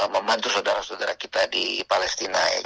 membantu saudara saudara kita di palestina